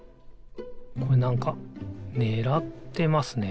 これなんかねらってますね。